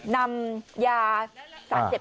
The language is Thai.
นำยาสัตว์เสพ